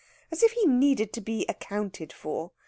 As if he needed to be accounted for!